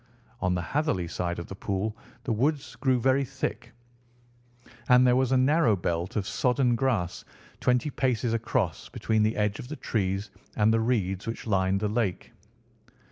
On the Hatherley side of the pool the woods grew very thick, and there was a narrow belt of sodden grass twenty paces across between the edge of the trees and the reeds which lined the lake.